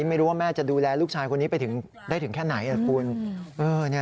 ไม่รู้ว่าแม่จะดูแลลูกชายคนนี้ไปถึงได้ถึงแค่ไหนล่ะคุณ